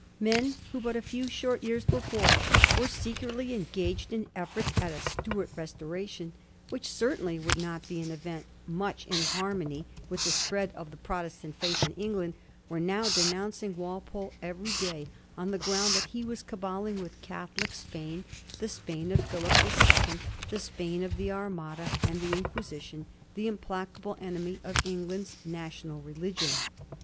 Men who but a few short years before were secretly engaged in efforts at a Stuart restoration, which certainly would not be an event much in harmony with the spread of the Protestant faith in England, were now denouncing Walpole every day on the ground that he was caballing with Catholic Spain, the Spain of Philip the Second, the Spain of the Armada and the Inquisition, the implacable enemy of England's national religion.